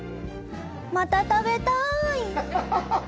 また食べたい！